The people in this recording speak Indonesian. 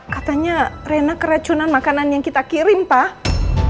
katanya rena keracunan makanan yang kita kirim pak